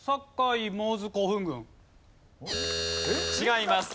違います。